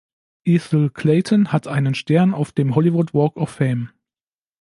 Ethel Clayton hat einen Stern auf dem Hollywood Walk of Fame.